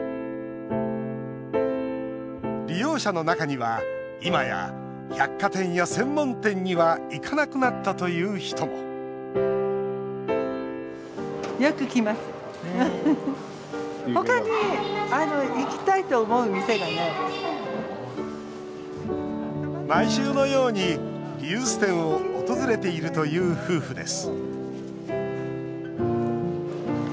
利用者の中にはいまや百貨店や専門店には行かなくなったという人も毎週のように、リユース店を訪れているという夫婦です